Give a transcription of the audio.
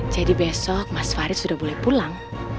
jadi besok mas fahri sudah boleh pulang